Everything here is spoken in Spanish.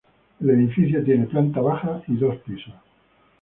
El edificio tiene planta baja y dos pisos.